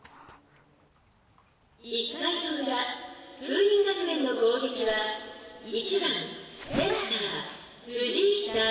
「１回の裏風林学園の攻撃は１番センター藤井さん」。